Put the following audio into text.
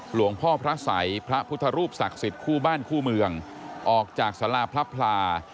หลวงพ่อพระสัยพระพุทธรูปศักดิ์สิทธิ์คู่บ้านคู่เมืองออกจากสาราพระพลา